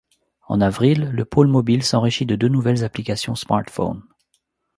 En avril, le pôle mobile s'enrichit de deux nouvelles applications Smartphone.